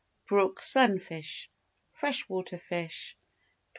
Brook Sunfish (Fresh water fish) 25.